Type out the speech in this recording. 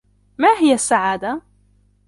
ما هي السعادة ؟